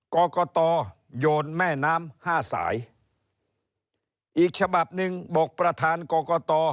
กรกตโยนแม่น้ำห้าสายอีกฉบับหนึ่งบอกประธานกรกต